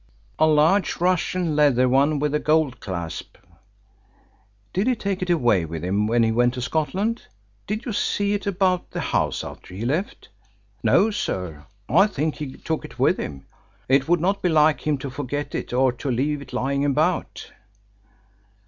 "A large Russian leather one with a gold clasp." "Did he take it away with him when he went to Scotland? Did you see it about the house after he left?" "No, sir. I think he took it with him. It would not be like him to forget it, or to leave it lying about."